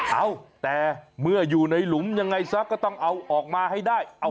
เอาแต่เมื่ออยู่ในหลุมยังไงซะก็ต้องเอาออกมาให้ได้